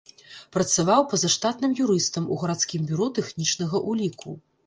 Працаваў пазаштатным юрыстам у гарадскім бюро тэхнічнага ўліку.